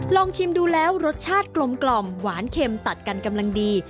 ลองชิมดูแล้วรสชาติกลมหวานเค็มตัดกันกำลังดี